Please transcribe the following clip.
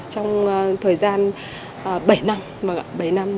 trong thời gian bảy năm